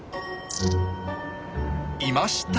いました！